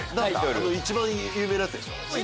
一番有名なやつでしょ。